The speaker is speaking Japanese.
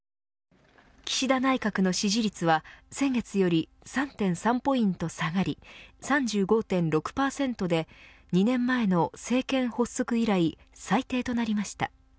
岸田内閣の支持率は先月より３．３ポイント下がり３５．６％で２年前の政権発足以来最低となりました。